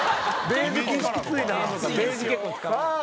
ベージュ結構使う。